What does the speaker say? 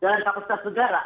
dalam kapasitas negara